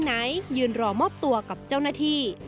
ไหนยืนรอมอบตัวกับเจ้าหน้าที่